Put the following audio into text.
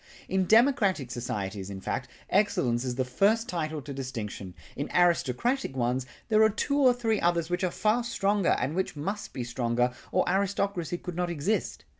In democratic societies, in fact, excellence is the first title to distinction; in aristocratic ones there are two or three others which are far stronger and which must be stronger or aristocracy could not exist.